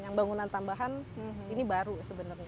yang bangunan tambahan ini baru sebenarnya